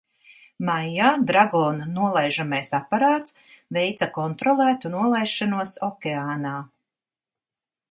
"Maijā "Dragon" nolaižamais aparāts veica kontrolētu nolaišanos okeānā."